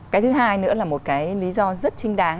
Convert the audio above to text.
cái thứ hai nữa là một cái lý do rất trinh đáng